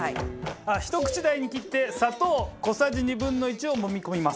ひと口大に切って砂糖小さじ２分の１をもみ込みます。